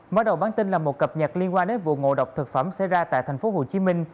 mở đầu bản tin là một cập nhật liên quan đến vụ ngộ độc thực phẩm xảy ra tại tp hcm